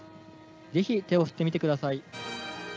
ぜひ手を振ってみてください。